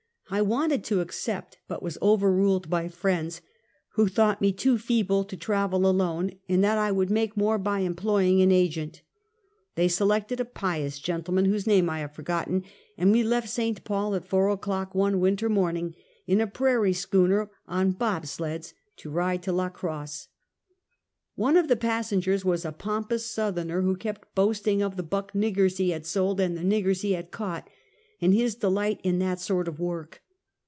I wanted to accept, but was overruled by friends, who thought me too feeble to travel alone, and that I would make more by employing an agent. They selected a pious gentleman, whose name I have forgotten, and we left St. Paul at four o'clock one winter morning, in a prai rie schooner on bob sleds, to ride to La Crosse. One of the passengers was a pompous Southerner, wlio kept boasting of the " buck niggers " he had sold and the '* niggers " he had caught, and his delight in that sort of work.